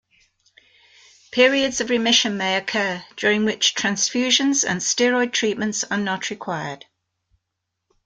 Periods of remission may occur, during which transfusions and steroid treatments are not required.